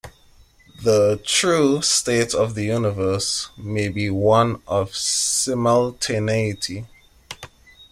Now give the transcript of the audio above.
The 'true' state of the universe may be one of simultaneity.